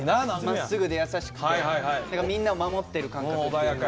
まっすぐで優しくてみんなを守ってる感覚っていうか。